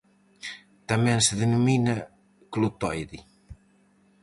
Tamén se denomina clotoide.